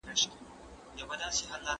انسان د خپلو اعمالو په واسطه لوړیږي.